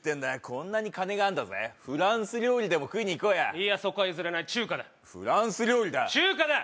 こんなに金があんだぜフランス料理でも食いに行こうやいやそこは譲れない中華だフランス料理だ中華だ！